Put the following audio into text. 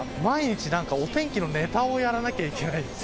毎日何かお天気のネタをやらなきゃいけない。